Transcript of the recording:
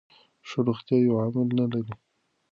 ښه روغتیا یو عامل نه لري.